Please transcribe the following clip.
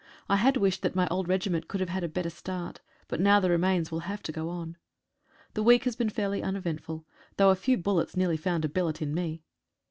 I had wished that my old regiment could have had a better start, but now the remains will have to go on. The week has been fairly uneventful, though a few bullets nearly found a billet in me.